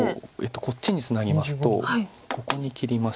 こっちにツナぎますとここに切りまして。